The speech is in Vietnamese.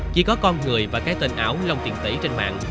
chỉ có con người và cái tên ảo long tiền tỷ trên mạng